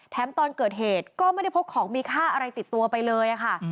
ตอนเกิดเหตุก็ไม่ได้พกของมีค่าอะไรติดตัวไปเลยค่ะ